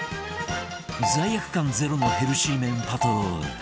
罪悪感ゼロのヘルシー麺パトロール